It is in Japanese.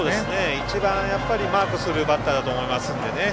一番マークするバッターだと思いますのでね。